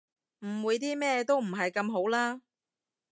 誤會啲咩都唔係咁好啦